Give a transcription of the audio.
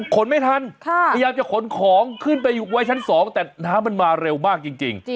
ขนไม่ทันพยายามจะขนของขึ้นไปไว้ชั้น๒แต่น้ำมันมาเร็วมากจริง